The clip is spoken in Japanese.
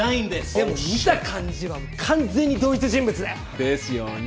でも見た感じは完全に同一人物だよ。ですよね？